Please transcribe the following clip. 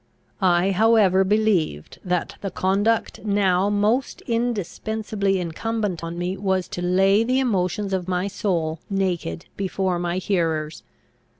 I however believed, that the conduct now most indispensably incumbent on me was to lay the emotions of my soul naked before my hearers.